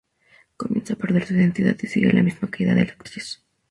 Comienza a perder su identidad y sigue la misma caída de la actriz.